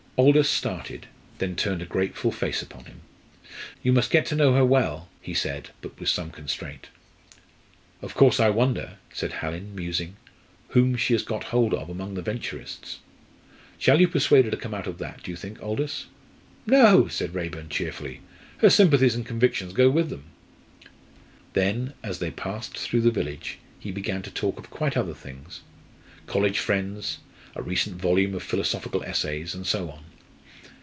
Aldous started, then turned a grateful face upon him. "You must get to know her well," he said, but with some constraint. "Of course. I wonder," said Hallin, musing, "whom she has got hold of among the Venturists. Shall you persuade her to come out of that, do you think, Aldous?" "No!" said Raeburn, cheerfully. "Her sympathies and convictions go with them." Then, as they passed through the village, he began to talk of quite other things college friends, a recent volume of philosophical essays, and so on.